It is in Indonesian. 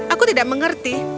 aku tidak mengerti